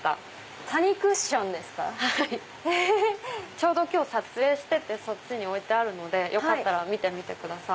ちょうど今日撮影しててそっちに置いてあるのでよかったら見てください。